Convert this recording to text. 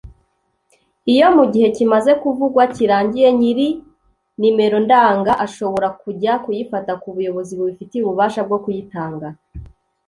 Iyo mu gihe kimaze kuvugwa kirangiye ny’iri nimero ndanga ashobora kujya kuyifata ku buyobozi bubifitiye ububasha bwo kuyitanga.